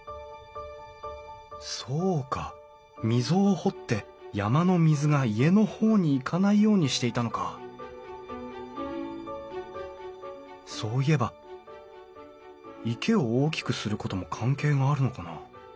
そうか溝を掘って山の水が家の方に行かないようにしていたのかそういえば池を大きくすることも関係があるのかな？